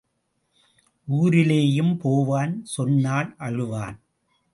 ஊரிலேயும் போவான் சொன்னால் அழுவான்.